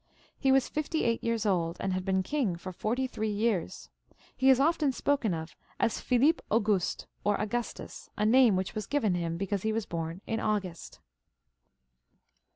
He was fifty eight years old, and had been king for forty three years. He is often spoken of as Philip Auguste, a name which was given him because he was bom in August.